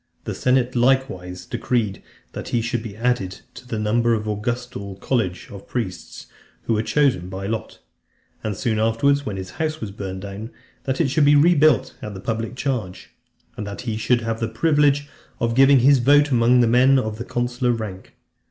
The senate likewise decreed, that he should be added to the number of the Augustal college of priests, who were chosen by lot; and soon afterwards, when his house was burnt down, that it should be rebuilt at the public charge; and that he should have the privilege of giving his vote amongst the men of consular rank.